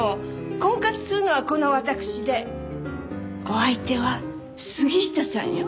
婚活するのはこの私でお相手は杉下さんよ。